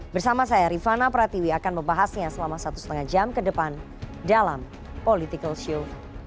bersama saya rifana pratiwi akan membahasnya selama satu lima jam ke depan dalam political show